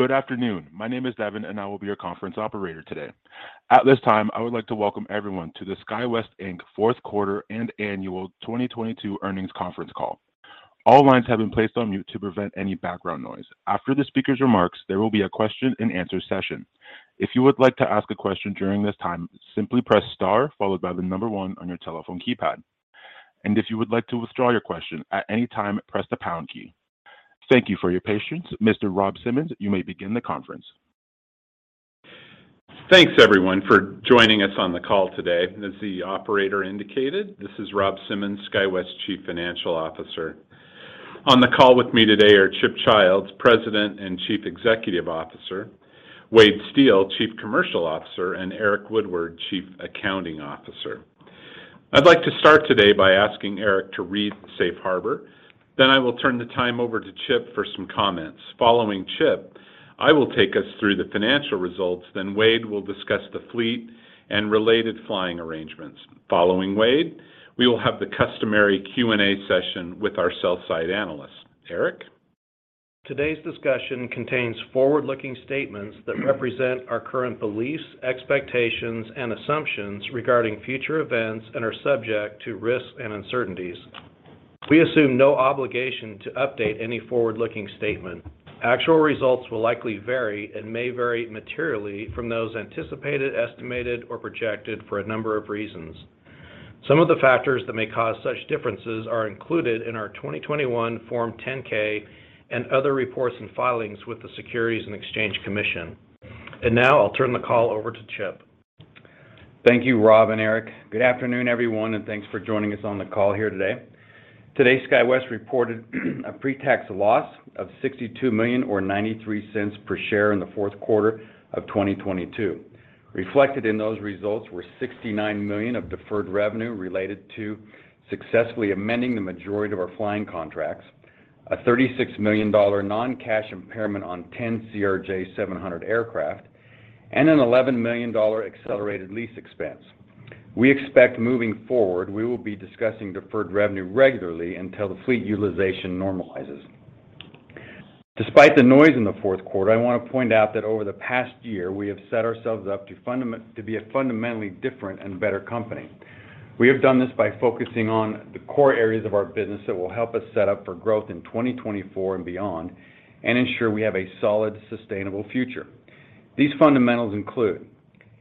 Good afternoon. My name is Devin, and I will be your conference operator today. At this time, I would like to welcome everyone to the SkyWest Inc. fourth quarter and annual 2022 earnings conference call. All lines have been placed on mute to prevent any background noise. After the speaker's remarks, there will be a question-and-answer session. If you would like to ask a question during this time, simply press star followed by one on your telephone keypad. If you would like to withdraw your question at any time, press the pound key. Thank you for your patience. Mr. Rob Simmons, you may begin the conference. Thanks, everyone, for joining us on the call today. As the operator indicated, this is Rob Simmons, SkyWest Chief Financial Officer. On the call with me today are Chip Childs, President and Chief Executive Officer, Wade Steel, Chief Commercial Officer, and Eric Woodward, Chief Accounting Officer. I'd like to start today by asking Eric to read the Safe Harbor. I will turn the time over to Chip for some comments. Following Chip, I will take us through the financial results, then Wade will discuss the fleet and related flying arrangements. Following Wade, we will have the customary Q&A session with our sell-side analyst. Eric? Today's discussion contains forward-looking statements that represent our current beliefs, expectations, and assumptions regarding future events and are subject to risks and uncertainties. We assume no obligation to update any forward-looking statement. Actual results will likely vary and may vary materially from those anticipated, estimated, or projected for a number of reasons. Some of the factors that may cause such differences are included in our 2021 Form 10-K and other reports and filings with the Securities and Exchange Commission. Now I'll turn the call over to Chip. Thank you, Rob and Eric. Good afternoon, everyone, thanks for joining us on the call here today. Today, SkyWest reported a pre-tax loss of $62 million or $0.93 per share in the fourth quarter of 2022. Reflected in those results were $69 million of deferred revenue related to successfully amending the majority of our flying contracts, a $36 million non-cash impairment on 10 CRJ700 aircraft, and an $11 million accelerated lease expense. We expect moving forward, we will be discussing deferred revenue regularly until the fleet utilization normalizes. Despite the noise in the fourth quarter, I want to point out that over the past year, we have set ourselves up to be a fundamentally different and better company. We have done this by focusing on the core areas of our business that will help us set up for growth in 2024 and beyond and ensure we have a solid, sustainable future. These fundamentals include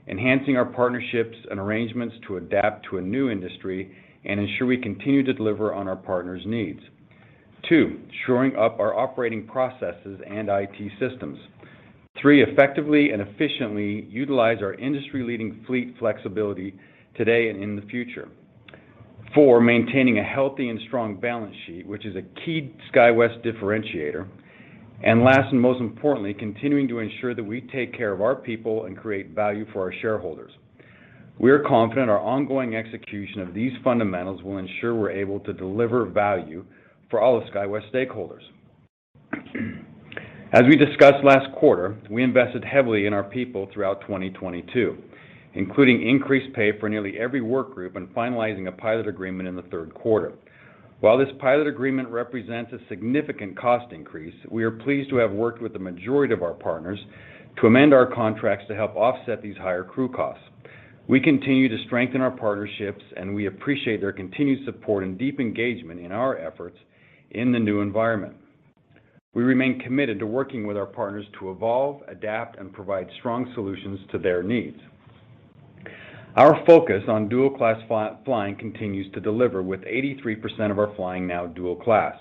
enhancing our partnerships and arrangements to adapt to a new industry and ensure we continue to deliver on our partners' needs. Two, shoring up our operating processes and IT systems. Three, effectively and efficiently utilize our industry-leading fleet flexibility today and in the future. Four, maintaining a healthy and strong balance sheet, which is a key SkyWest differentiator. Last and most importantly, continuing to ensure that we take care of our people and create value for our shareholders. We are confident our ongoing execution of these fundamentals will ensure we're able to deliver value for all of SkyWest stakeholders. As we discussed last quarter, we invested heavily in our people throughout 2022, including increased pay for nearly every work group and finalizing a pilot agreement in the third quarter. While this pilot agreement represents a significant cost increase, we are pleased to have worked with the majority of our partners to amend our contracts to help offset these higher crew costs. We continue to strengthen our partnerships, and we appreciate their continued support and deep engagement in our efforts in the new environment. We remain committed to working with our partners to evolve, adapt, and provide strong solutions to their needs. Our focus on dual-class flying continues to deliver, with 83% of our flying now dual class.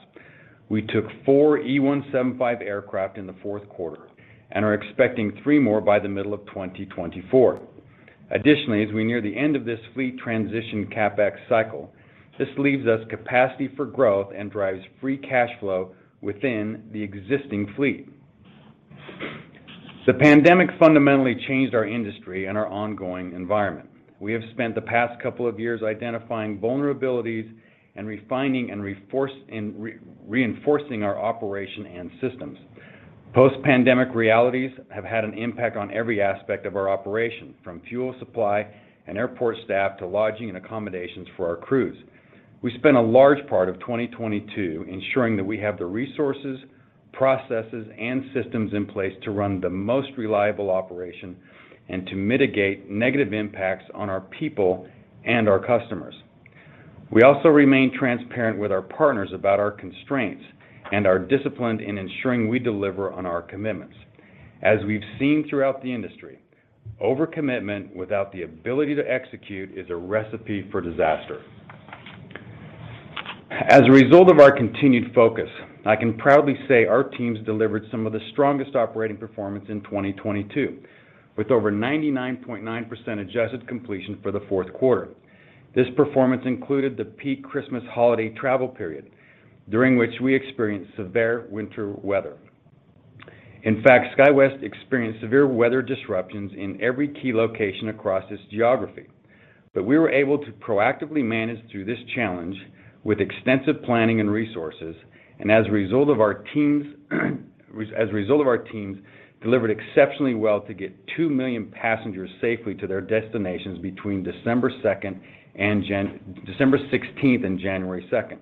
We took four E175 aircraft in the fourth quarter and are expecting three more by the middle of 2024. Additionally, as we near the end of this fleet transition CapEx cycle, this leaves us capacity for growth and drives free cash flow within the existing fleet. The pandemic fundamentally changed our industry and our ongoing environment. We have spent the past couple of years identifying vulnerabilities and refining and reinforcing our operation and systems. Post-pandemic realities have had an impact on every aspect of our operation, from fuel supply and airport staff to lodging and accommodations for our crews. We spent a large part of 2022 ensuring that we have the resources, processes, and systems in place to run the most reliable operation and to mitigate negative impacts on our people and our customers. We also remain transparent with our partners about our constraints and are disciplined in ensuring we deliver on our commitments. As we've seen throughout the industry, over-commitment without the ability to execute is a recipe for disaster. As a result of our continued focus, I can proudly say our teams delivered some of the strongest operating performance in 2022, with over 99.9% adjusted completion for the fourth quarter. This performance included the peak Christmas holiday travel period, during which we experienced severe winter weather. In fact, SkyWest experienced severe weather disruptions in every key location across this geography. We were able to proactively manage through this challenge with extensive planning and resources, and as a result of our teams delivered exceptionally well to get 2 million passengers safely to their destinations between December 2nd and December 16th and January 2nd.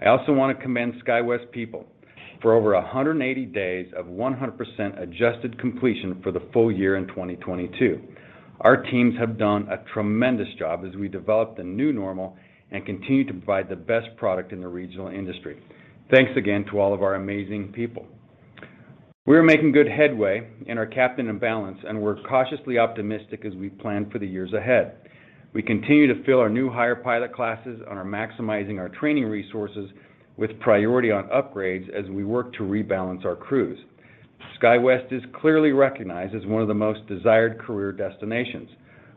I also want to commend SkyWest people for over 180 days of 100% adjusted completion for the full year in 2022. Our teams have done a tremendous job as we developed the new normal and continue to provide the best product in the regional industry. Thanks again to all of our amazing people. We're making good headway in our captain imbalance, and we're cautiously optimistic as we plan for the years ahead. We continue to fill our new hire pilot classes and are maximizing our training resources with priority on upgrades as we work to rebalance our crews. SkyWest is clearly recognized as one of the most desired career destinations.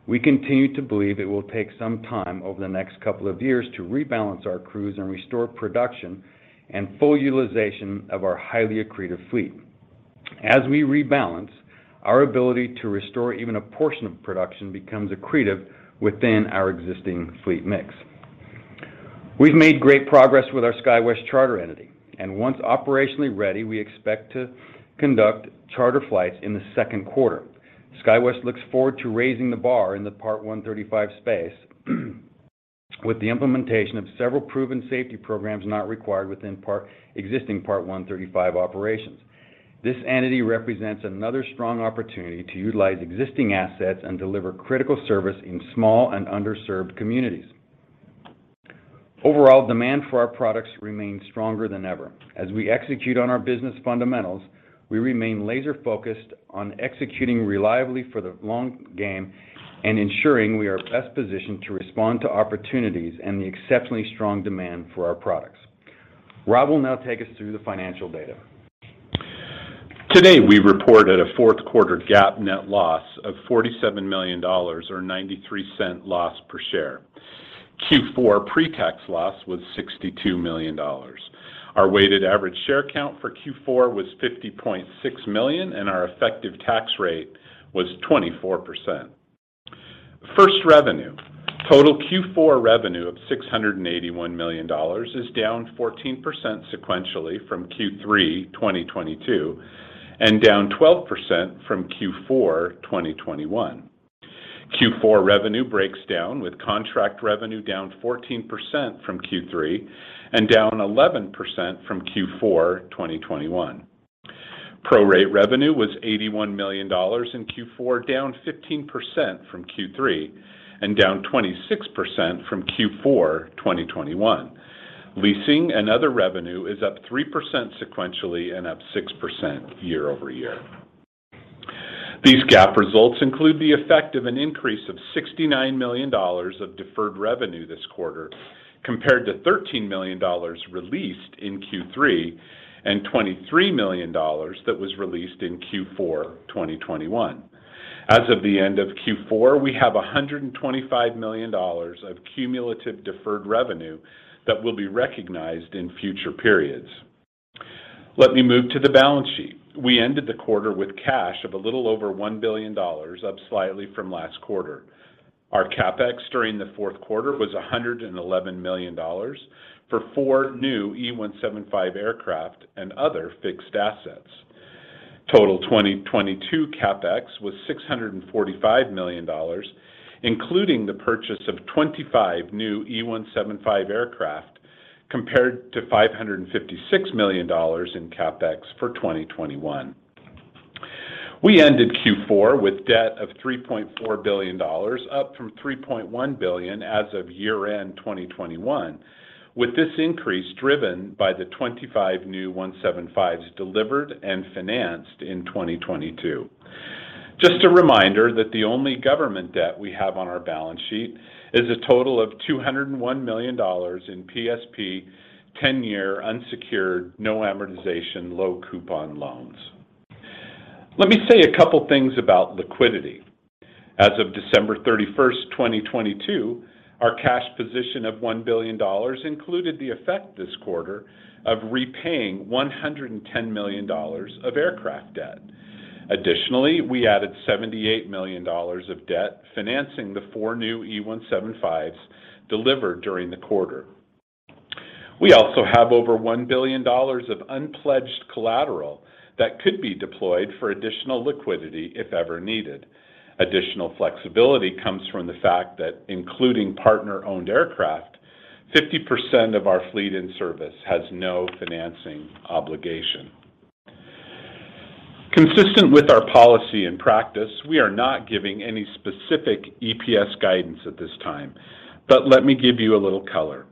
We continue to believe it will take some time over the next couple of years to rebalance our crews and restore production and full utilization of our highly accretive fleet. As we rebalance, our ability to restore even a portion of production becomes accretive within our existing fleet mix. We've made great progress with our SkyWest Charter entity, and once operationally ready, we expect to conduct charter flights in the second quarter. SkyWest looks forward to raising the bar in the Part 135 space with the implementation of several proven safety programs not required within existing Part 135 operations. This entity represents another strong opportunity to utilize existing assets and deliver critical service in small and underserved communities. Overall, demand for our products remains stronger than ever. As we execute on our business fundamentals, we remain laser-focused on executing reliably for the long game and ensuring we are best positioned to respond to opportunities and the exceptionally strong demand for our products. Rob will now take us through the financial data. Today, we reported a fourth quarter GAAP net loss of $47 million or $0.93 loss per share. Q4 pre-tax loss was $62 million. Our weighted average share count for Q4 was 50.6 million, and our effective tax rate was 24%. First, revenue. Total Q4 revenue of $681 million is down 14% sequentially from Q3 2022 and down 12% from Q4 2021. Q4 revenue breaks down, with contract revenue down 14% from Q3 and down 11% from Q4 2021. Prorate revenue was $81 million in Q4, down 15% from Q3 and down 26% from Q4 2021. Leasing and other revenue is up 3% sequentially and up 6% year-over-year. These GAAP results include the effect of an increase of $69 million of deferred revenue this quarter compared to $13 million released in Q3 and $23 million that was released in Q4 2021. As of the end of Q4, we have $125 million of cumulative deferred revenue that will be recognized in future periods. Let me move to the balance sheet. We ended the quarter with cash of a little over $1 billion, up slightly from last quarter. Our CapEx during the fourth quarter was $111 million for four new E175 aircraft and other fixed assets. Total 2022 CapEx was $645 million, including the purchase of 25 new E175 aircraft compared to $556 million in CapEx for 2021. We ended Q4 with debt of $3.4 billion, up from $3.1 billion as of year-end 2021, with this increase driven by the 25 new 175s delivered and financed in 2022. Just a reminder that the only government debt we have on our balance sheet is a total of $201 million in PSP 10-year unsecured, no amortization, low coupon loans. Let me say a couple things about liquidity. As of December 31st, 2022, our cash position of $1 billion included the effect this quarter of repaying $110 million of aircraft debt. Additionally, we added $78 million of debt financing the 4 new E175s delivered during the quarter. We also have over $1 billion of unpledged collateral that could be deployed for additional liquidity if ever needed. Additional flexibility comes from the fact that including partner-owned aircraft, 50% of our fleet in service has no financing obligation. Consistent with our policy and practice, we are not giving any specific EPS guidance at this time, but let me give you a little color.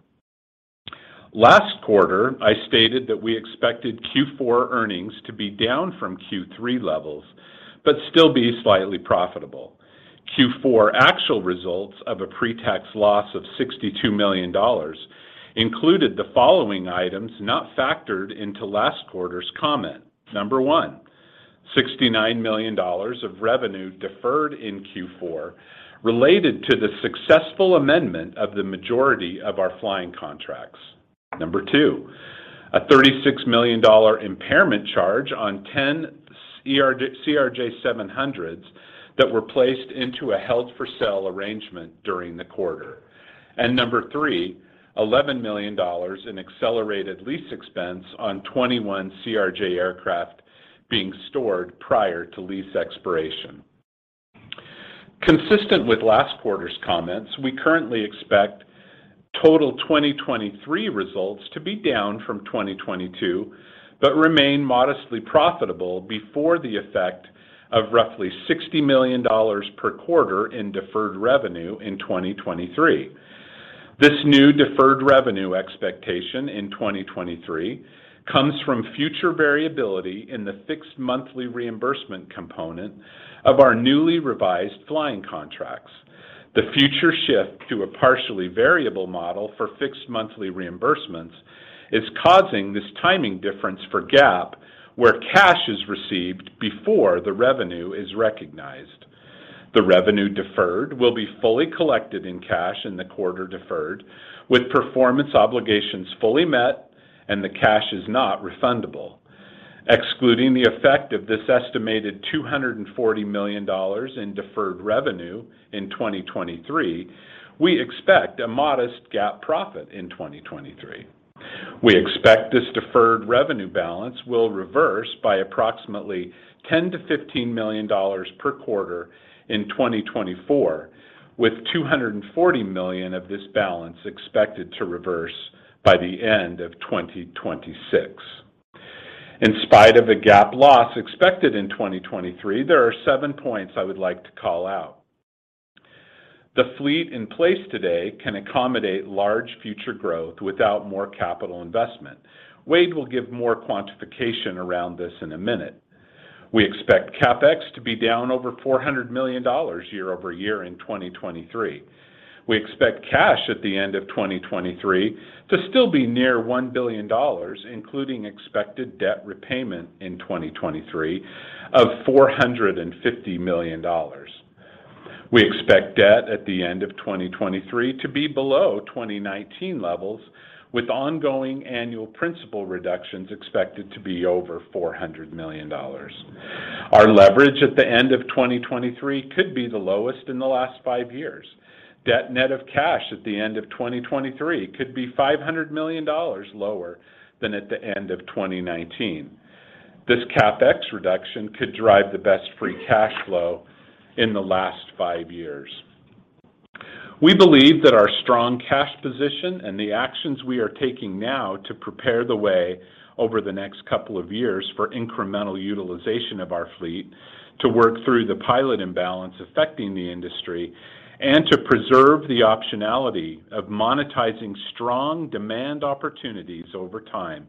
Last quarter, I stated that we expected Q4 earnings to be down from Q3 levels, but still be slightly profitable. Q4 actual results of a pre-tax loss of $62 million included the following items not factored into last quarter's comment. Number one, $69 million of revenue deferred in Q4 related to the successful amendment of the majority of our flying contracts. Number two, a $36 million impairment charge on 10 CRJ700s that were placed into a held-for-sale arrangement during the quarter. Number three, $11 million in accelerated lease expense on 21 CRJ aircraft being stored prior to lease expiration. Consistent with last quarter's comments, we currently expect total 2023 results to be down from 2022, but remain modestly profitable before the effect of roughly $60 million per quarter in deferred revenue in 2023. This new deferred revenue expectation in 2023 comes from future variability in the fixed monthly reimbursement component of our newly revised flying contracts. The future shift to a partially variable model for fixed monthly reimbursements is causing this timing difference for GAAP, where cash is received before the revenue is recognized. The revenue deferred will be fully collected in cash in the quarter deferred, with performance obligations fully met and the cash is not refundable. Excluding the effect of this estimated $240 million in deferred revenue in 2023, we expect a modest GAAP profit in 2023. We expect this deferred revenue balance will reverse by approximately $10 million-$15 million per quarter in 2024, with $240 million of this balance expected to reverse by the end of 2026. In spite of a GAAP loss expected in 2023, there are 7 points I would like to call out. The fleet in place today can accommodate large future growth without more capital investment. Wade will give more quantification around this in a minute. We expect CapEx to be down over $400 million year-over-year in 2023. We expect cash at the end of 2023 to still be near $1 billion, including expected debt repayment in 2023 of $450 million. We expect debt at the end of 2023 to be below 2019 levels, with ongoing annual principal reductions expected to be over $400 million. Our leverage at the end of 2023 could be the lowest in the last five years. Debt net of cash at the end of 2023 could be $500 million lower than at the end of 2019. This CapEx reduction could drive the best free cash flow in the last five years. We believe that our strong cash position and the actions we are taking now to prepare the way over the next couple of years for incremental utilization of our fleet to work through the pilot imbalance affecting the industry and to preserve the optionality of monetizing strong demand opportunities over time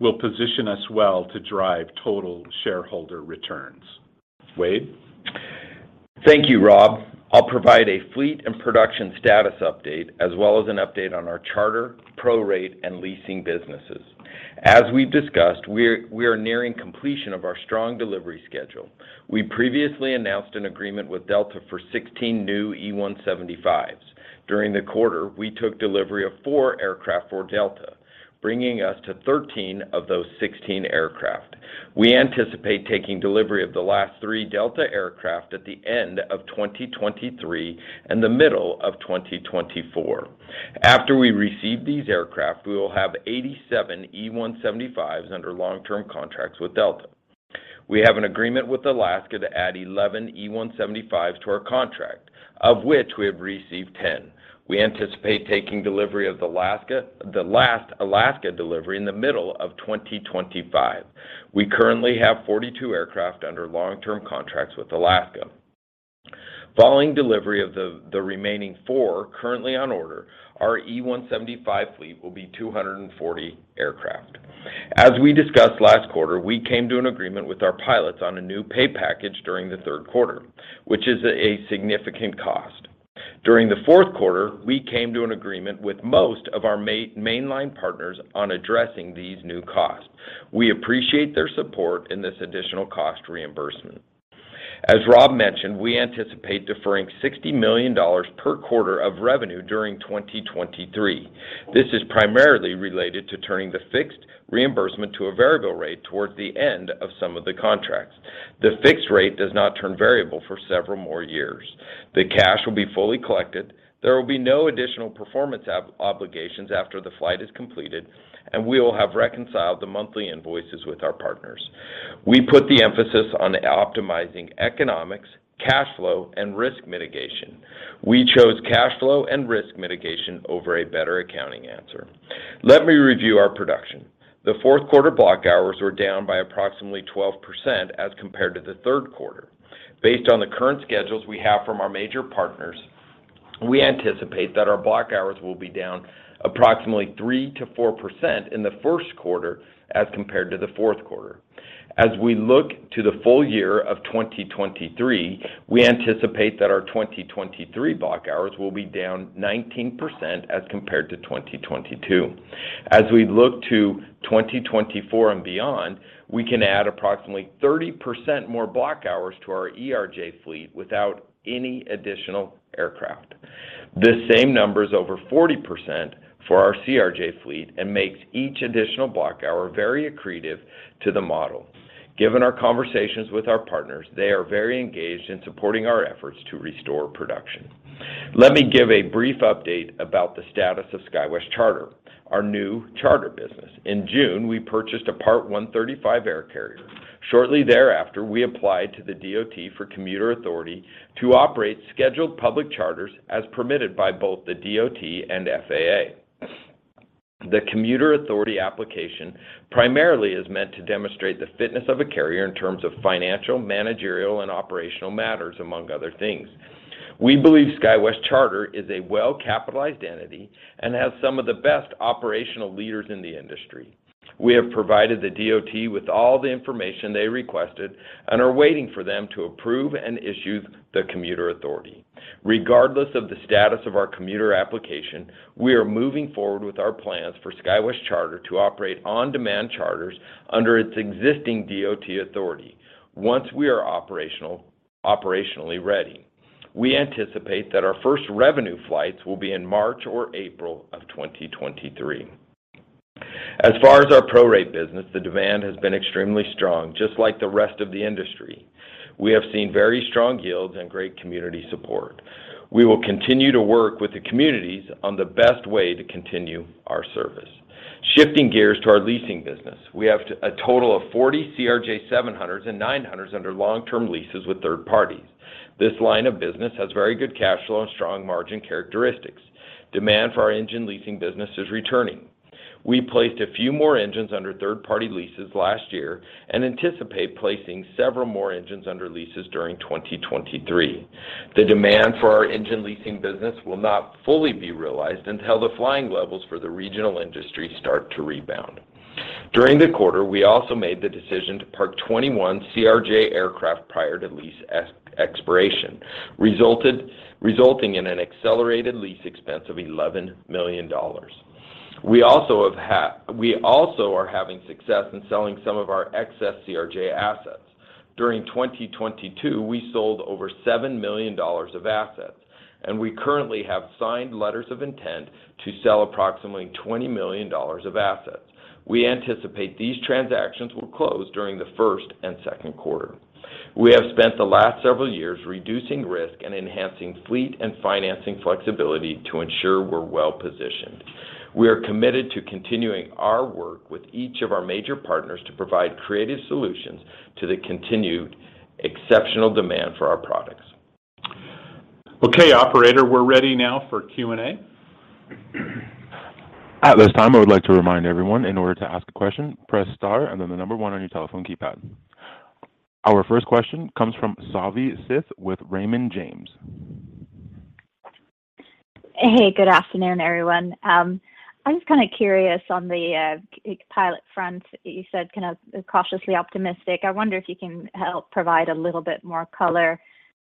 will position us well to drive total shareholder returns. Wade? Thank you, Rob. I'll provide a fleet and production status update as well as an update on our charter, prorate, and leasing businesses. As we've discussed, we are nearing completion of our strong delivery schedule. We previously announced an agreement with Delta for 16 new E175s. During the quarter, we took delivery of four aircraft for Delta, bringing us to 13 of those 16 aircraft. We anticipate taking delivery of the last three Delta aircraft at the end of 2023 and the middle of 2024. After we receive these aircraft, we will have 87 E175s under long-term contracts with Delta. We have an agreement with Alaska to add 11 E175s to our contract, of which we have received 10. We anticipate taking delivery of the last Alaska delivery in the middle of 2025. We currently have 42 aircraft under long-term contracts with Alaska Airlines. Following delivery of the remaining four currently on order, our E175 fleet will be 240 aircraft. As we discussed last quarter, we came to an agreement with our pilots on a new pay package during the third quarter, which is a significant cost. During the fourth quarter, we came to an agreement with most of our mainline partners on addressing these new costs. We appreciate their support in this additional cost reimbursement. As Rob mentioned, we anticipate deferring $60 million per quarter of revenue during 2023. This is primarily related to turning the fixed reimbursement to a variable rate towards the end of some of the contracts. The fixed rate does not turn variable for several more years. The cash will be fully collected. There will be no additional performance obligations after the flight is completed, and we will have reconciled the monthly invoices with our partners. We put the emphasis on optimizing economics, cash flow, and risk mitigation. We chose cash flow and risk mitigation over a better accounting answer. Let me review our production. The fourth quarter block hours were down by approximately 12% as compared to the third quarter. Based on the current schedules we have from our major partners, we anticipate that our block hours will be down approximately 3%-4% in the first quarter as compared to the fourth quarter. As we look to the full year of 2023, we anticipate that our 2023 block hours will be down 19% as compared to 2022. As we look to 2024 and beyond, we can add approximately 30% more block hours to our ERJ fleet without any additional aircraft. This same number is over 40% for our CRJ fleet and makes each additional block hour very accretive to the model. Given our conversations with our partners, they are very engaged in supporting our efforts to restore production. Let me give a brief update about the status of SkyWest Charter, our new charter business. In June, we purchased a Part 135 air carrier. Shortly thereafter, we applied to the DOT for Commuter Authority to operate scheduled public charters as permitted by both the DOT and FAA. The Commuter Authority application primarily is meant to demonstrate the fitness of a carrier in terms of financial, managerial, and operational matters, among other things. We believe SkyWest Charter is a well-capitalized entity and has some of the best operational leaders in the industry. We have provided the DOT with all the information they requested and are waiting for them to approve and issue the commuter authority. Regardless of the status of our commuter application, we are moving forward with our plans for SkyWest Charter to operate on-demand charters under its existing DOT authority once we are operationally ready. We anticipate that our first revenue flights will be in March or April of 2023. As far as our prorate business, the demand has been extremely strong, just like the rest of the industry. We have seen very strong yields and great community support. We will continue to work with the communities on the best way to continue our service. Shifting gears to our leasing business. We have a total of 40 CRJ700s and 900s under long-term leases with third parties. This line of business has very good cash flow and strong margin characteristics. Demand for our engine leasing business is returning. We placed a few more engines under third-party leases last year and anticipate placing several more engines under leases during 2023. The demand for our engine leasing business will not fully be realized until the flying levels for the regional industry start to rebound. During the quarter, we also made the decision to park 21 CRJ aircraft prior to lease expiration, resulting in an accelerated lease expense of $11 million. We also are having success in selling some of our excess CRJ assets. During 2022, we sold over $7 million of assets, and we currently have signed letters of intent to sell approximately $20 million of assets. We anticipate these transactions will close during the first and second quarter. We have spent the last several years reducing risk and enhancing fleet and financing flexibility to ensure we're well-positioned. We are committed to continuing our work with each of our major partners to provide creative solutions to the continued exceptional demand for our products. Okay, operator, we're ready now for Q&A. At this time, I would like to remind everyone in order to ask a question, press star and then the number one on your telephone keypad. Our first question comes from Savi Syth with Raymond James. Hey, good afternoon, everyone. I'm just kinda curious on the pilot front. You said kinda cautiously optimistic. I wonder if you can help provide a little bit more color.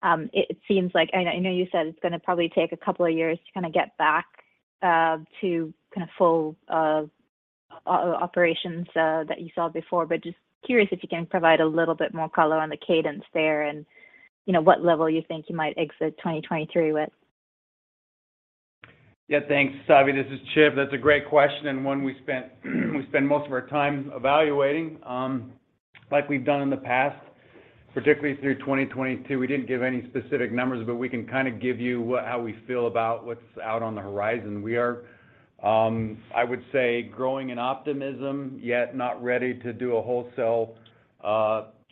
I know you said it's gonna probably take a couple of years to kinda get back to kinda full operations that you saw before. Just curious if you can provide a little bit more color on the cadence there and, you know, what level you think you might exit 2023 with. Yeah, thanks, Savi. This is Chip. That's a great question, one we spend most of our time evaluating, like we've done in the past, particularly through 2022. We didn't give any specific numbers, we can kinda give you how we feel about what's out on the horizon. We are, I would say, growing in optimism, yet not ready to do a wholesale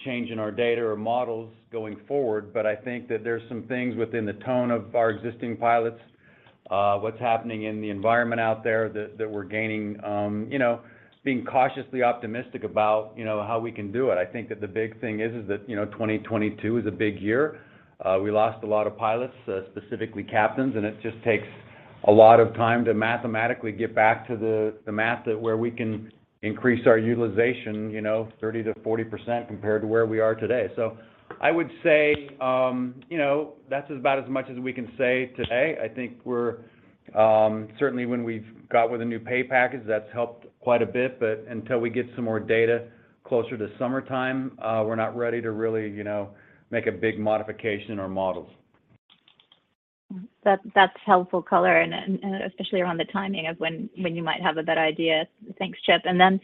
change in our data or models going forward. I think that there's some things within the tone of our existing pilots, what's happening in the environment out there that we're gaining, you know, being cautiously optimistic about, you know, how we can do it. I think that the big thing is that, you know, 2022 is a big year. We lost a lot of pilots, specifically captains, it just takes a lot of time to mathematically get back to the math that where we can increase our utilization, you know, 30%-40% compared to where we are today. I would say, you know, that's about as much as we can say today. I think we're, certainly when we've got with a new pay package, that's helped quite a bit. Until we get some more data closer to summertime, we're not ready to really, you know, make a big modification in our models. That's helpful color and, especially around the timing of when, you might have a better idea. Thanks, Chip. Then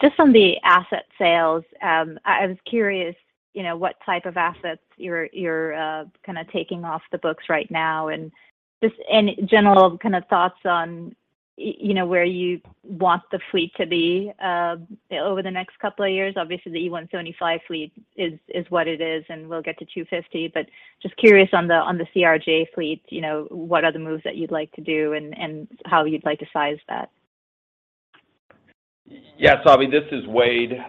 just on the asset sales, I was curious, you know, what type of assets you're kinda taking off the books right now, and just any general kind of thoughts on, you know, where you want the fleet to be over the next couple of years. Obviously, the E175 fleet is what it is, and we'll get to 250. Just curious on the CRJ fleet, you know, what are the moves that you'd like to do and, how you'd like to size that? Yeah, Savi, this is Wade.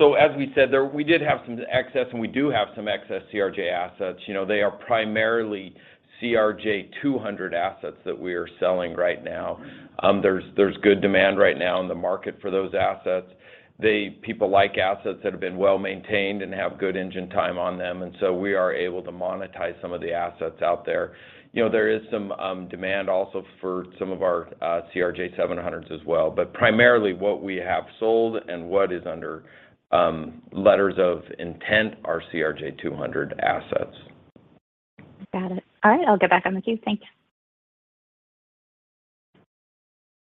As we said, we did have some excess, and we do have some excess CRJ assets. You know, they are primarily CRJ200 assets that we are selling right now. There's good demand right now in the market for those assets. People like assets that have been well-maintained and have good engine time on them, and so we are able to monetize some of the assets out there. You know, there is some demand also for some of our CRJ700s as well. Primarily what we have sold and what is under letters of intent are CRJ200 assets. Got it. All right, I'll get back on the queue. Thank you.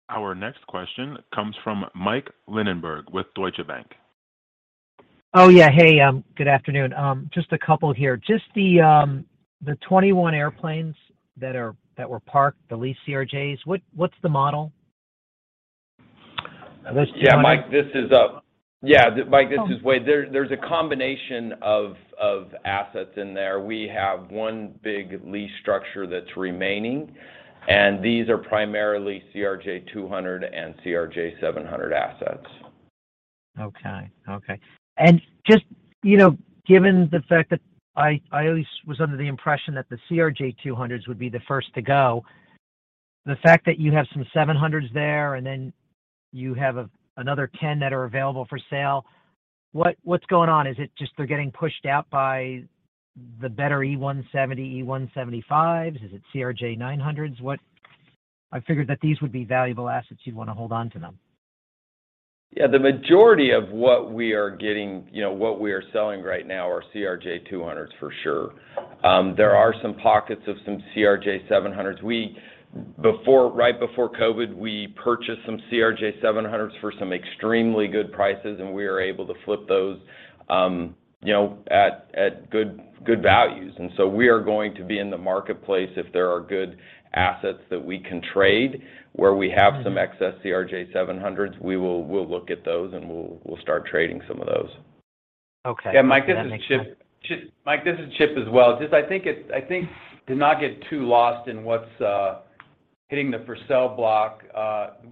Our next question comes from Mike Linenberg with Deutsche Bank. Oh, yeah. Hey, good afternoon. Just a couple here. Just the 21 airplanes that were parked, the leased CRJs, what's the model? Yeah, Mike, this is Wade. There's a combination of assets in there. We have one big lease structure that's remaining. These are primarily CRJ200 and CRJ700 assets. Okay. Okay. Just, you know, given the fact that I at least was under the impression that the CRJ200s would be the first to go. The fact that you have some CRJ700s there, and then you have another 10 that are available for sale, what's going on? Is it just they're getting pushed out by the better E170, E175s? Is it CRJ900s? I figured that these would be valuable assets, you'd want to hold on to them. Yeah. The majority of what we are getting, you know, what we are selling right now are CRJ200s, for sure. There are some pockets of some CRJ700s. Right before COVID, we purchased some CRJ700s for some extremely good prices, and we were able to flip those, you know, at good values. We are going to be in the marketplace if there are good assets that we can trade. Where we have some excess CRJ700s, we'll look at those, and we'll start trading some of those. Okay. Yeah, Mike, this is Chip. Mike, this is Chip as well. Just I think to not get too lost in what's hitting the held-for-sale block,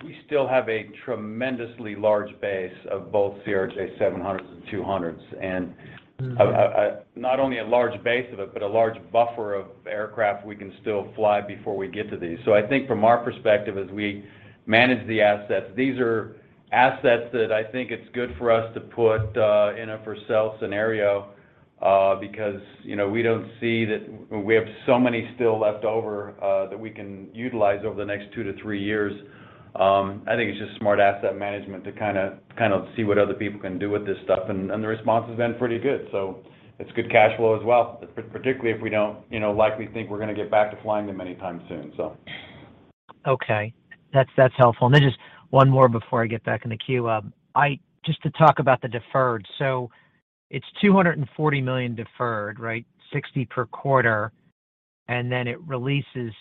we still have a tremendously large base of both CRJ-seven hundreds and two hundreds. Mm-hmm. Not only a large base of it, but a large buffer of aircraft we can still fly before we get to these. I think from our perspective as we manage the assets, these are assets that I think it's good for us to put in a for sale scenario because, you know, we don't see that we have so many still left over that we can utilize over the next two to three years. I think it's just smart asset management to kind of see what other people can do with this stuff, and the response has been pretty good. It's good cash flow as well, particularly if we don't, you know, likely think we're going to get back to flying them anytime soon, so. Okay. That's, that's helpful. Just one more before I get back in the queue. Just to talk about the deferred. It's $240 million deferred, right? $60 million per quarter, and then it releases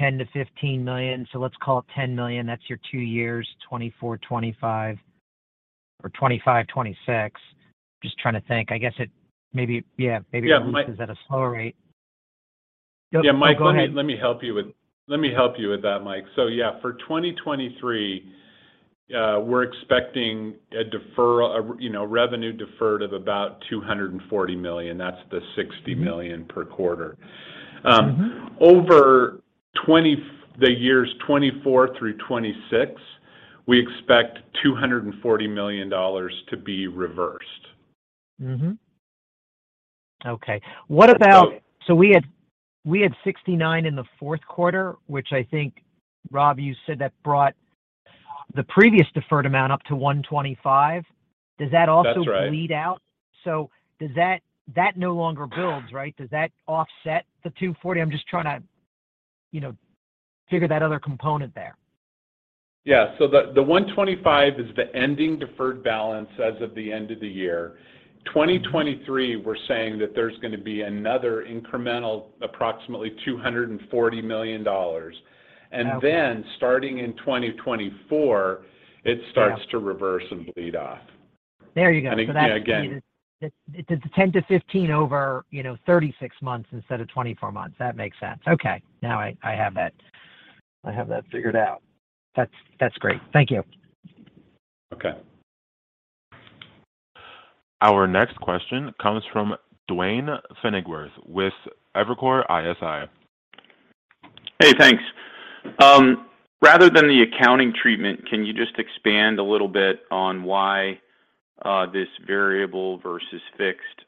$10 million-$15 million. Let's call it $10 million. That's your two years, 2024, 2025, or 2025, 2026. Just trying to think. I guess it maybe. Yeah, Mike- it releases at a slower rate. Yeah, Mike- Go, go ahead. Let me help you with that, Mike. Yeah, for 2023, we're expecting a, you know, revenue deferred of about $240 million. That's the $60 million per quarter. Mm-hmm. Over the years 2024 through 2026, we expect $240 million to be reversed. Mm-hmm. Okay. We had $69 million in the fourth quarter, which I think, Rob, you said that brought the previous deferred amount up to $125 million. Does that also. That's right. bleed out? That no longer builds, right? Does that offset the $240 million? I'm just trying to, you know, figure that other component there. The $125 million is the ending deferred balance as of the end of the year. Mm-hmm. 2023, we're saying that there's going to be another incremental approximately $240 million. Okay. Starting in 2024. Yeah. starts to reverse and bleed off. There you go. Yeah. That's the It's the $10 million-$15 million over, you know, 36 months instead of 24 months. That makes sense. Okay. Now I have that figured out. That's great. Thank you. Okay. Our next question comes from Duane Pfennigwerth with Evercore ISI. Hey, thanks. Rather than the accounting treatment, can you just expand a little bit on why this variable versus fixed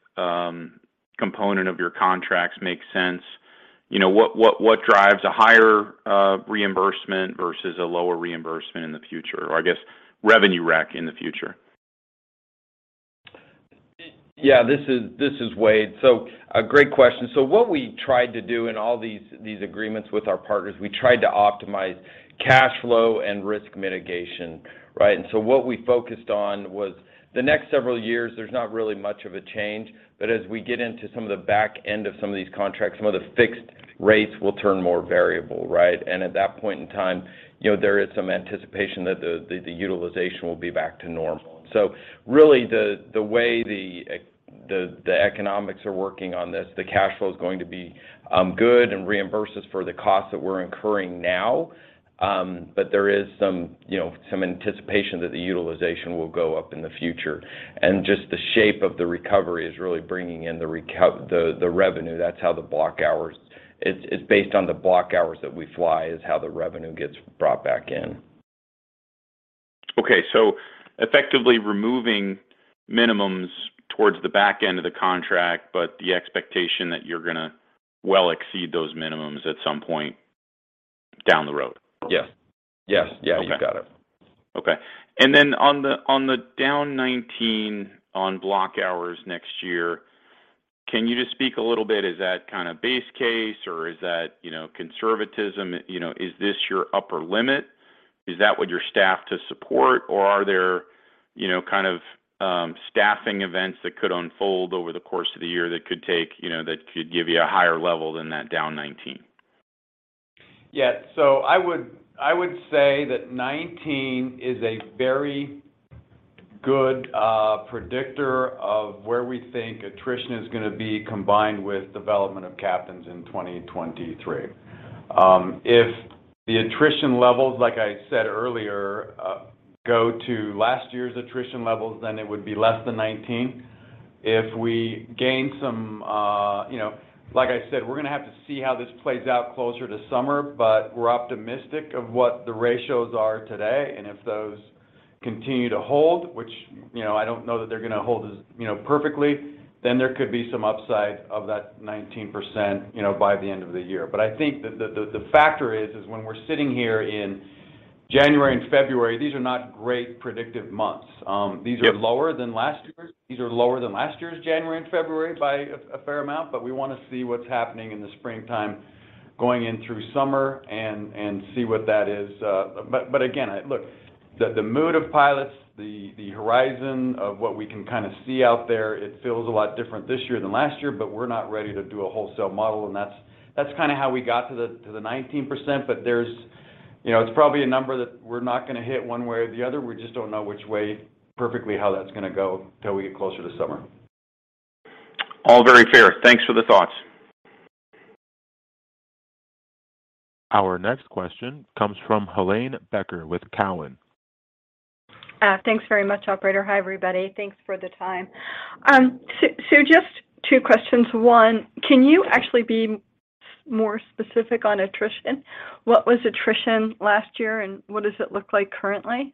component of your contracts makes sense? You know, what drives a higher reimbursement versus a lower reimbursement in the future? Or I guess revenue rec in the future. Yeah. This is Wade. A great question. What we tried to do in all these agreements with our partners, we tried to optimize cash flow and risk mitigation, right? What we focused on was the next several years, there's not really much of a change. As we get into some of the back end of some of these contracts, some of the fixed rates will turn more variable, right? At that point in time, you know, there is some anticipation that the utilization will be back to normal. Really, the way the economics are working on this, the cash flow is going to be good and reimburses for the costs that we're incurring now. There is some, you know, some anticipation that the utilization will go up in the future. Just the shape of the recovery is really bringing in the revenue. That's how the block hours. It's based on the block hours that we fly is how the revenue gets brought back in. Okay. Effectively removing minimums towards the back end of the contract, but the expectation that you're gonna well exceed those minimums at some point down the road? Yes. Yes. Okay. Yeah, you got it. Okay. Then on the down 19% on block hours next year. Can you just speak a little bit, is that kind of base case or is that, you know, conservatism? You know, is this your upper limit? Is that what your staff to support? Are there, you know, kind of, staffing events that could unfold over the course of the year that could give you a higher level than that down 19%? Yeah. I would say that 19% is a very good predictor of where we think attrition is gonna be combined with development of captains in 2023. If the attrition levels, like I said earlier, go to last year's attrition levels, then it would be less than 19%. If we gain some, you know, like I said, we're gonna have to see how this plays out closer to summer, but we're optimistic of what the ratios are today. If those continue to hold, which, you know, I don't know that they're gonna hold as, you know, perfectly, then there could be some upside of that 19%, you know, by the end of the year. I think that the factor is when we're sitting here in January and February, these are not great predictive months. These are. Yep... lower than last year's. These are lower than last year's January and February by a fair amount, but we wanna see what's happening in the springtime going in through summer and see what that is. Again, look, the mood of pilots, the horizon of what we can kinda see out there, it feels a lot different this year than last year, but we're not ready to do a wholesale model, and that's kinda how we got to the 19%. You know, it's probably a number that we're not gonna hit one way or the other. We just don't know which way perfectly how that's gonna go till we get closer to summer. All very fair. Thanks for the thoughts. Our next question comes from Helane Becker with Cowen. Thanks very much, operator. Hi, everybody. Thanks for the time. Just two questions. One, can you actually be more specific on attrition? What was attrition last year, and what does it look like currently?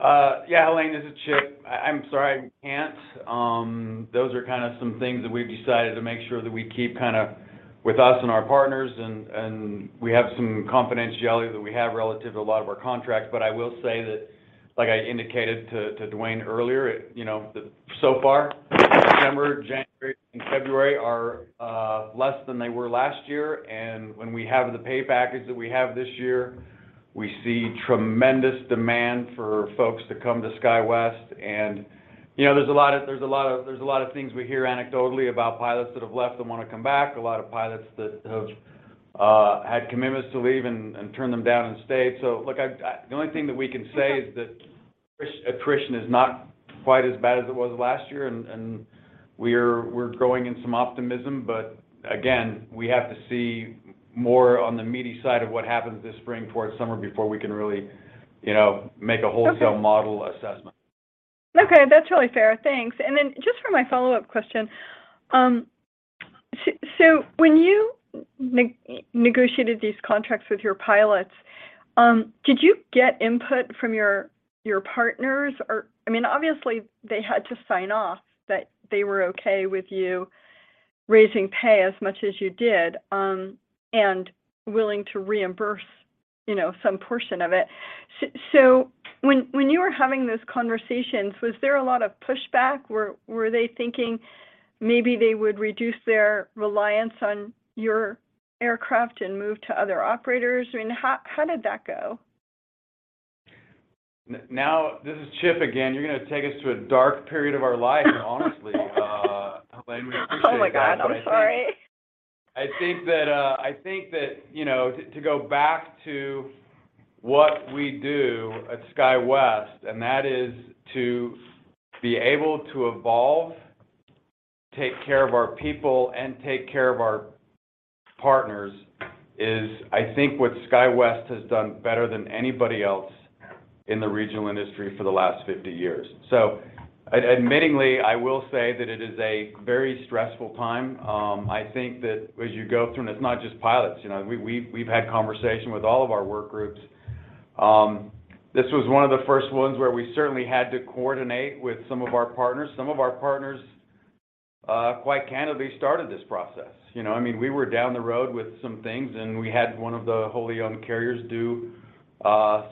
Yeah, Helane, this is Chip. I'm sorry, I can't. Those are kinda some things that we've decided to make sure that we keep kinda with us and our partners, and we have some confidentiality that we have relative to a lot of our contracts. I will say that, like I indicated to Duane earlier, you know, so far, December, January and February are less than they were last year. When we have the pay package that we have this year, we see tremendous demand for folks to come to SkyWest. You know, there's a lot of things we hear anecdotally about pilots that have left and wanna come back, a lot of pilots that have had commitments to leave and turned them down and stayed. Look, The only thing that we can say is that attrition is not quite as bad as it was last year, and we're growing in some optimism. Again, we have to see more on the meaty side of what happens this spring towards summer before we can really, you know, make a wholesale. Okay... model assessment. Okay. That's really fair. Thanks. Then just for my follow-up question. So, when you negotiated these contracts with your pilots, did you get input from your partners? I mean, obviously they had to sign off that they were okay with you raising pay as much as you did, and willing to reimburse, you know, some portion of it. When you were having those conversations, was there a lot of pushback? Were they thinking maybe they would reduce their reliance on your aircraft and move to other operators? I mean, how did that go? This is Chip again. You're gonna take us to a dark period of our life, honestly, Helane. Oh my God. I'm sorry. We appreciate that. I think that, you know, to go back to what we do at SkyWest, and that is to be able to evolve, take care of our people, and take care of our partners, is, I think, what SkyWest has done better than anybody else in the regional industry for the last 50 years. Admittingly, I will say that it is a very stressful time. I think that as you go through, and it's not just pilots. You know, we've had conversation with all of our work groups. This was one of the first ones where we certainly had to coordinate with some of our partners. Some of our partners, quite candidly started this process. You know, I mean, we were down the road with some things. We had one of the wholly owned carriers do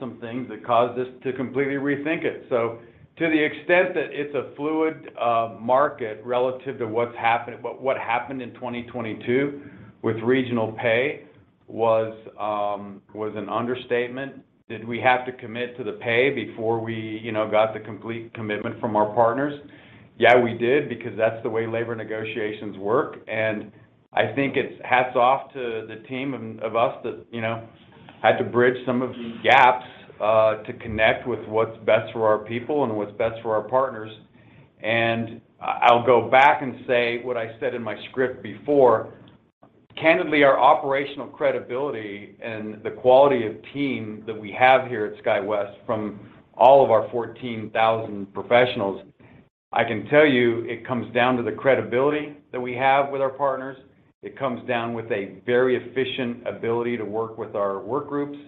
some things that caused us to completely rethink it. To the extent that it's a fluid market relative to what happened in 2022 with regional pay was an understatement. Did we have to commit to the pay before we, you know, got the complete commitment from our partners? Yeah, we did, because that's the way labor negotiations work. I think it's hats off to the team of us that, you know, had to bridge some of the gaps to connect with what's best for our people and what's best for our partners. I'll go back and say what I said in my script before. Candidly, our operational credibility and the quality of team that we have here at SkyWest from all of our 14,000 professionals, I can tell you it comes down to the credibility that we have with our partners. It comes down with a very efficient ability to work with our work groups,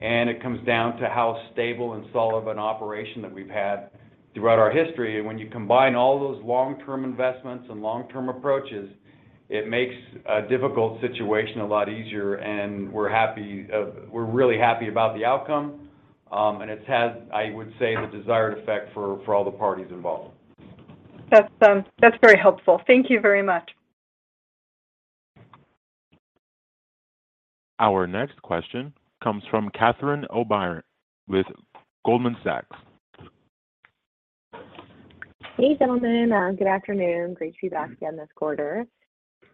and it comes down to how stable and solid of an operation that we've had throughout our history. When you combine all those long-term investments and long-term approaches, it makes a difficult situation a lot easier, and we're happy. We're really happy about the outcome. It's had, I would say, the desired effect for all the parties involved. That's very helpful. Thank you very much. Our next question comes from Catherine O'Brien with Goldman Sachs. Hey, gentlemen, good afternoon. Great to be back again this quarter.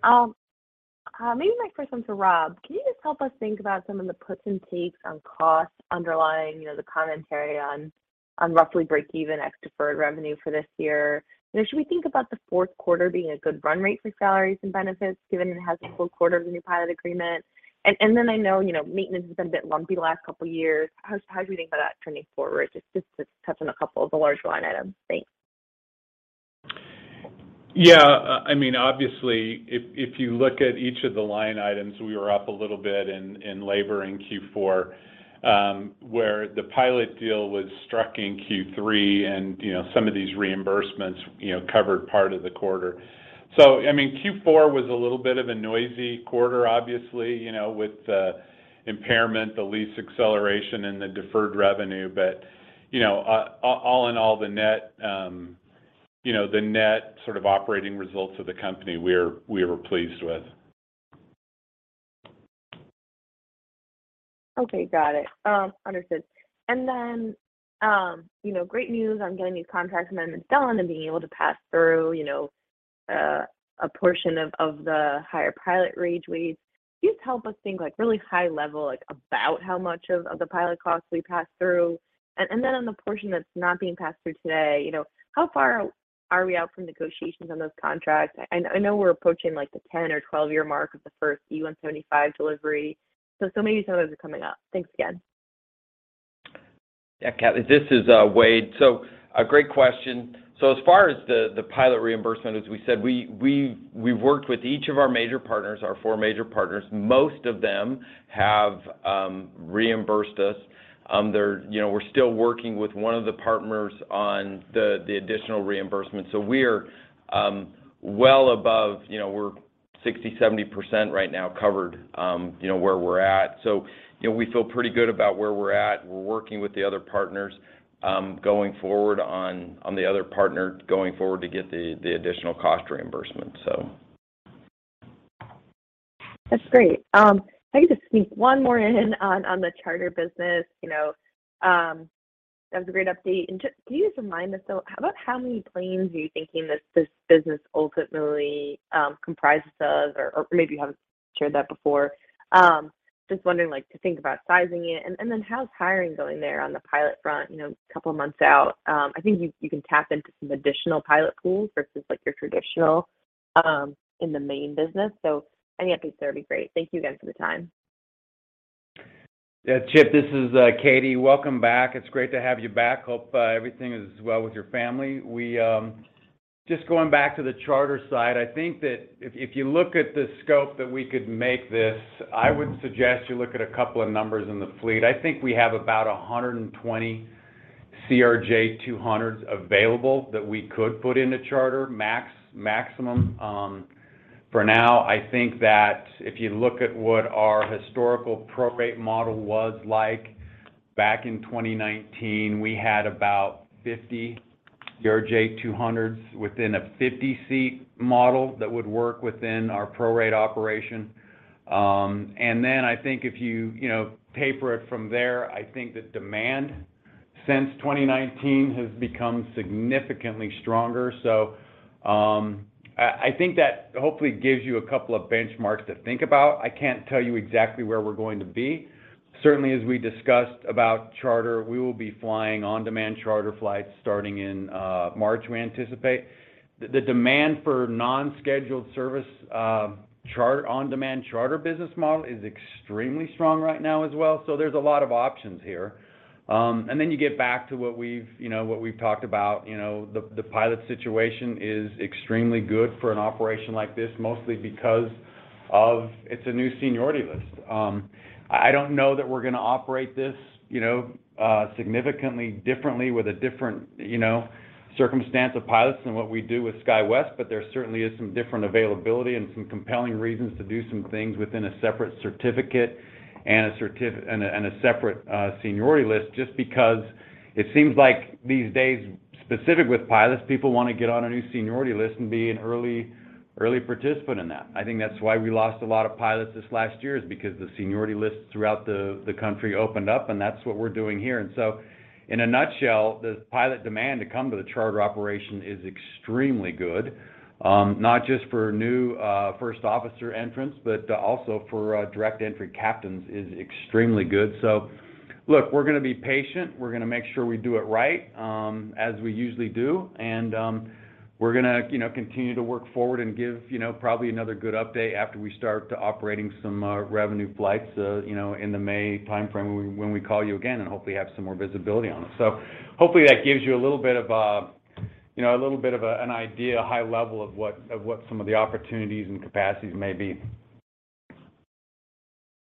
Maybe my first one's for Rob. Can you just help us think about some of the puts and takes on costs underlying, you know, the commentary on roughly break even ex deferred revenue for this year? You know, should we think about the fourth quarter being a good run rate for salaries and benefits given it has a full quarter of the new pilot agreement? I know, you know, maintenance has been a bit lumpy the last couple years. How do you think about that trending forward? Just touching a couple of the larger line items. Thanks. Yeah. I mean, obviously, if you look at each of the line items, we were up a little bit in labor in Q4, where the pilot deal was struck in Q3 and, you know, some of these reimbursements, you know, covered part of the quarter. I mean, Q4 was a little bit of a noisy quarter, obviously, you know, with the impairment, the lease acceleration and the deferred revenue. You know, all in all, the net, you know, the net sort of operating results of the company, we were pleased with. Okay. Got it. understood. Then, you know, great news on getting these contract amendments done and being able to pass through, you know, a portion of the higher pilot wage rates. Can you just help us think, like, really high level, like, about how much of the pilot costs will you pass through? Then on the portion that's not being passed through today, you know, how far are we out from negotiations on those contracts? I know we're approaching, like, the 10 or 12-year mark of the first E175 delivery. Maybe some of those are coming up. Thanks again. Yeah, Cath, this is Wade. A great question. As far as the pilot reimbursement, as we said, we've worked with each of our major partners, our four major partners. Most of them have reimbursed us. You know, we're still working with one of the partners on the additional reimbursement. We're well above, you know, we're 60%, 70% right now covered, you know, where we're at. You know, we feel pretty good about where we're at. We're working with the other partners going forward on the other partner going forward to get the additional cost reimbursement. That's great. If I can just sneak one more in on the charter business, you know, that was a great update. Just can you just remind us, though, about how many planes are you thinking this business ultimately comprises of? Maybe you haven't shared that before. Just wondering, like, to think about sizing it. How's hiring going there on the pilot front, you know, a couple of months out? I think you can tap into some additional pilot pools versus, like, your traditional, in the main business. Any updates there would be great. Thank you again for the time. Yeah. Chip, this is, Catie. Welcome back. It's great to have you back. Hope everything is well with your family. We just going back to the charter side, I think that if you look at the scope that we could make this, I would suggest you look at a couple of numbers in the fleet. I think we have about 120 CRJ200s available that we could put into charter maximum. For now, I think that if you look at what our historical prorate model was like back in 2019, we had about 50 CRJ200s within a 50-seat model that would work within our prorate operation. I think if you know, taper it from there, I think the demand since 2019 has become significantly stronger. I think that hopefully gives you a couple of benchmarks to think about. I can't tell you exactly where we're going to be. Certainly, as we discussed about charter, we will be flying on-demand charter flights starting in March, we anticipate. The demand for non-scheduled service, on-demand charter business model is extremely strong right now as well, so there's a lot of options here. Then you get back to what we've, you know, what we've talked about. You know, the pilot situation is extremely good for an operation like this, mostly because of it's a new seniority list. I don't know that we're gonna operate this, you know, significantly differently with a different, you know, circumstance of pilots than what we do with SkyWest, but there certainly is some different availability and some compelling reasons to do some things within a separate certificate and a separate seniority list. Because it seems like these days, specific with pilots, people wanna get on a new seniority list and be an early participant in that. I think that's why we lost a lot of pilots this last year, is because the seniority lists throughout the country opened up, and that's what we're doing here. In a nutshell, the pilot demand to come to the charter operation is extremely good, not just for new first officer entrants, but also for direct entry captains is extremely good. Look, we're gonna be patient. We're gonna make sure we do it right, as we usually do. We're gonna, you know, continue to work forward and give, you know, probably another good update after we start operating some revenue flights, you know, in the May timeframe when we, when we call you again and hopefully have some more visibility on it. Hopefully that gives you a little bit of a, you know, a little bit of an idea, high level of what, of what some of the opportunities and capacities may be.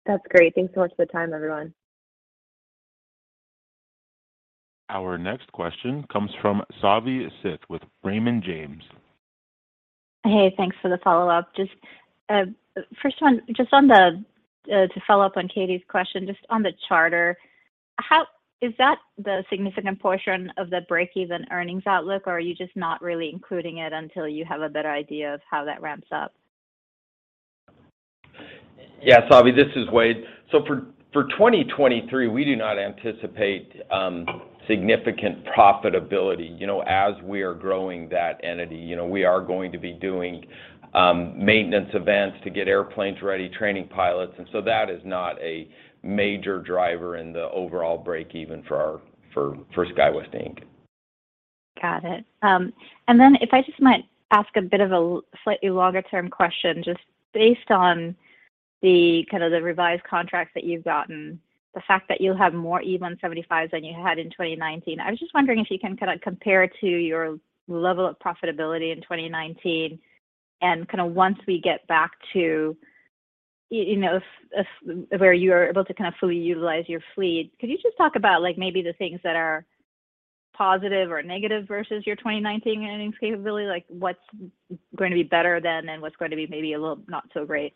That's great. Thanks so much for the time, everyone. Our next question comes from Savi Syth with Raymond James. Hey, thanks for the follow-up. Just, first one, just on the, to follow up on Catie's question, just on the charter, is that the significant portion of the breakeven earnings outlook, or are you just not really including it until you have a better idea of how that ramps up? Savi, this is Wade. For 2023, we do not anticipate significant profitability, you know, as we are growing that entity. You know, we are going to be doing maintenance events to get airplanes ready, training pilots. That is not a major driver in the overall break even for SkyWest, Inc. Got it. If I just might ask a bit of a slightly longer term question, just based on the, kind of the revised contracts that you've gotten, the fact that you'll have more E175s than you had in 2019. I was just wondering if you can kind of compare to your level of profitability in 2019 and kind of once we get back to you know, where you are able to kind of fully utilize your fleet. Could you just talk about, like, maybe the things that are positive or negative versus your 2019 earnings capability? Like, what's going to be better then, and what's going to be maybe a little not so great?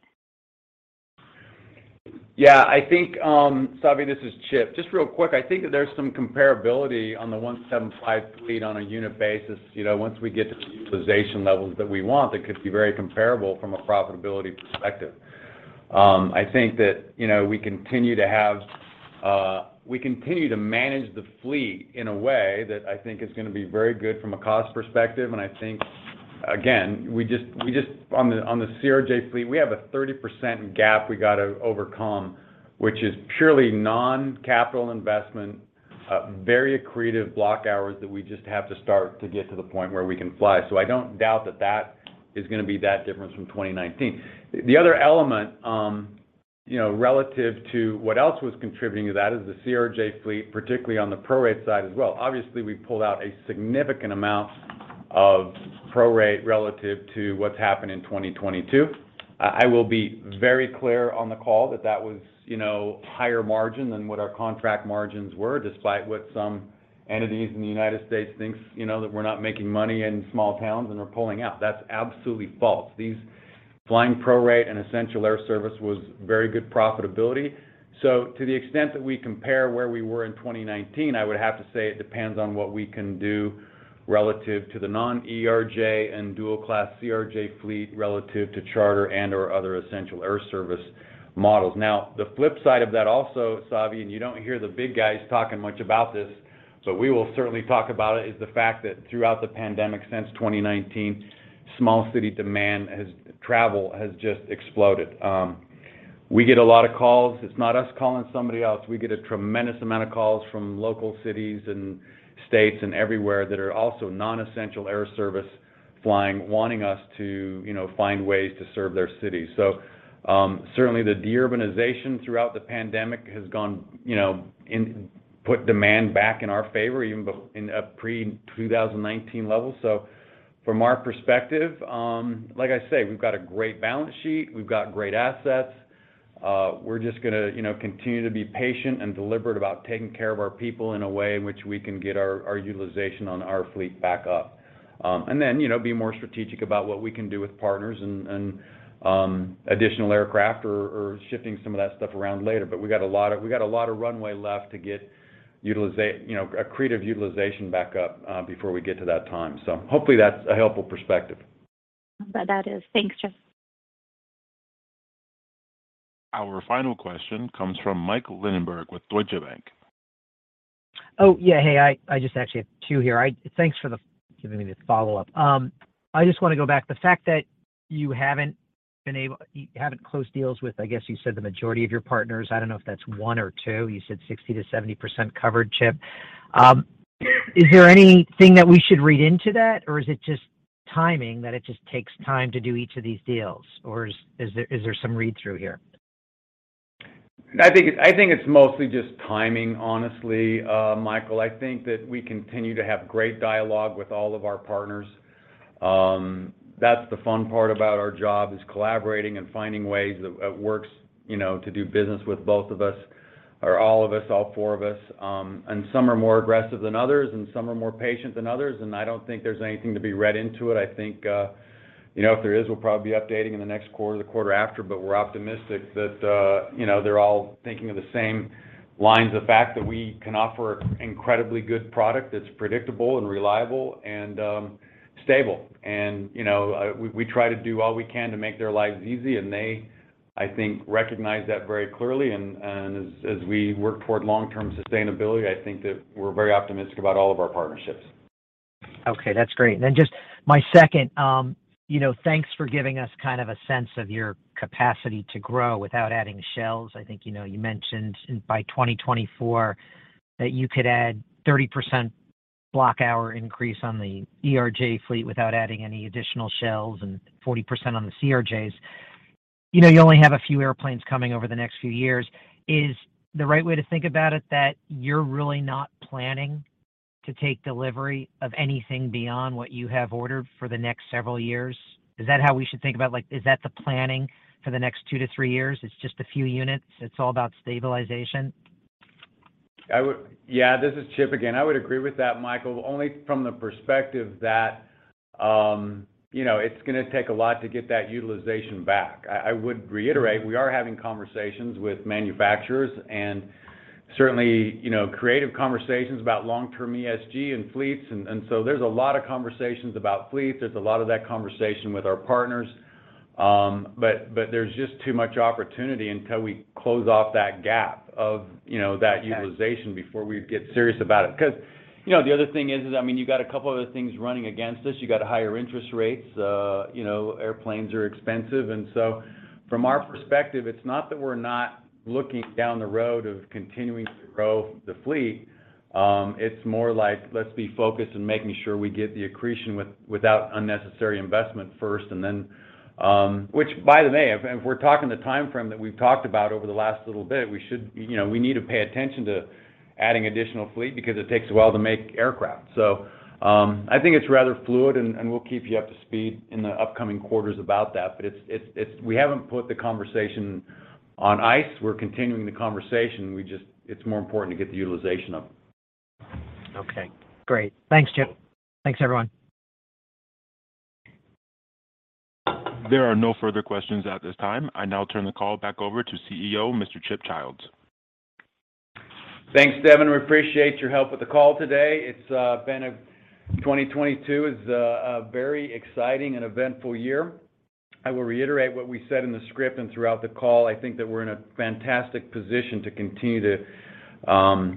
I think, Savi, this is Chip. Just real quick, I think that there's some comparability on the E175 fleet on a unit basis. You know, once we get to the utilization levels that we want, that could be very comparable from a profitability perspective. I think that, you know, we continue to manage the fleet in a way that I think is gonna be very good from a cost perspective. I think, again, we just on the CRJ fleet, we have a 30% gap we gotta overcome, which is purely non-capital investment, very accretive block hours that we just have to start to get to the point where we can fly. I don't doubt that that is gonna be that difference from 2019. The other element, you know, relative to what else was contributing to that is the CRJ fleet, particularly on the prorate side as well. Obviously, we pulled out a significant amount of prorate relative to what's happened in 2022. I will be very clear on the call that that was, you know, higher margin than what our contract margins were, despite what some entities in the United States think, you know, that we're not making money in small towns and we're pulling out. That's absolutely false. These flying prorate and Essential Air Service was very good profitability. To the extent that we compare where we were in 2019, I would have to say it depends on what we can do relative to the non-ERJ and dual-class CRJ fleet relative to charter and/or other Essential Air Service models. The flip side of that also, Savi, you don't hear the big guys talking much about this, we will certainly talk about it, is the fact that throughout the pandemic since 2019, small city travel has just exploded. We get a lot of calls. It's not us calling somebody else. We get a tremendous amount of calls from local cities and states and everywhere that are also non-Essential Air Service flying, wanting us to, you know, find ways to serve their city. Certainly the deurbanization throughout the pandemic has gone, you know, put demand back in our favor, even in pre-2019 levels. From our perspective, like I say, we've got a great balance sheet. We've got great assets. We're just gonna, you know, continue to be patient and deliberate about taking care of our people in a way in which we can get our utilization on our fleet back up. You know, be more strategic about what we can do with partners and additional aircraft or shifting some of that stuff around later. We got a lot of runway left to get you know, accretive utilization back up before we get to that time. Hopefully that's a helpful perspective. That is. Thanks, Chip. Our final question comes from Mike Linenberg with Deutsche Bank. Oh, yeah. Hey, I just actually have two here. Thanks for giving me the follow-up. I just wanna go back. The fact that you haven't closed deals with, I guess you said the majority of your partners, I don't know if that's one or two. You said 60%-70% covered, Chip. Is there anything that we should read into that, or is it just timing that it just takes time to do each of these deals? Is there some read-through here? I think it's mostly just timing, honestly, Michael. I think that we continue to have great dialogue with all of our partners. That's the fun part about our job is collaborating and finding ways that works, you know, to do business with both of us or all of us, all four of us. Some are more aggressive than others, and some are more patient than others, and I don't think there's anything to be read into it. I think, you know, if there is, we'll probably be updating in the next quarter, the quarter after. We're optimistic that, you know, they're all thinking of the same lines of fact that we can offer incredibly good product that's predictable and reliable and stable. You know, we try to do all we can to make their lives easy, and they, I think, recognize that very clearly. As we work toward long-term sustainability, I think that we're very optimistic about all of our partnerships. Okay, that's great. Just my second, you know, thanks for giving us kind of a sense of your capacity to grow without adding shells. I think, you know, you mentioned by 2024 that you could add 30% block hour increase on the ERJ fleet without adding any additional shells and 40% on the CRJs. You know, you only have a few airplanes coming over the next few years. Is the right way to think about it that you're really not planning to take delivery of anything beyond what you have ordered for the next several years? Is that how we should think about, like, is that the planning for the next two to three years? It's just a few units. It's all about stabilization? Yeah, this is Chip again. I would agree with that, Michael, only from the perspective that, you know, it's gonna take a lot to get that utilization back. I would reiterate, we are having conversations with manufacturers and certainly, you know, creative conversations about long-term ESG and fleets. So there's a lot of conversations about fleets. There's a lot of that conversation with our partners. There's just too much opportunity until we close off that gap of, you know, that utilization before we get serious about it. 'Cause, you know, the other thing is, I mean, you got a couple other things running against us. You got higher interest rates, you know, airplanes are expensive. From our perspective, it's not that we're not looking down the road of continuing to grow the fleet, it's more like, let's be focused in making sure we get the accretion without unnecessary investment first. Which by the way, if we're talking the timeframe that we've talked about over the last little bit, we should, you know, we need to pay attention to adding additional fleet because it takes a while to make aircraft. I think it's rather fluid and we'll keep you up to speed in the upcoming quarters about that. We haven't put the conversation on ice. We're continuing the conversation. It's more important to get the utilization up. Okay, great. Thanks, Chip. Thanks, everyone. There are no further questions at this time. I now turn the call back over to CEO, Mr. Chip Childs. Thanks, Devin. We appreciate your help with the call today. 2022 is a very exciting and eventful year. I will reiterate what we said in the script and throughout the call. I think that we're in a fantastic position to continue to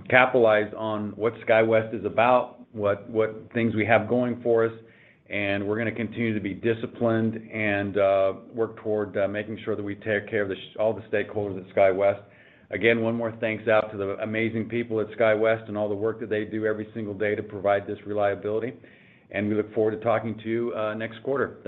capitalize on what SkyWest is about, what things we have going for us, and we're gonna continue to be disciplined and work toward making sure that we take care of all the stakeholders at SkyWest. Again, one more thanks out to the amazing people at SkyWest and all the work that they do every single day to provide this reliability. We look forward to talking to you next quarter. Thanks.